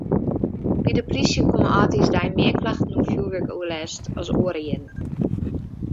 By de polysje komme âldjiersdei mear klachten oer fjoerwurkoerlêst as oare jierren.